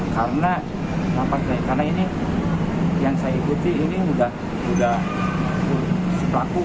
karena ini yang saya ikuti ini sudah berlaku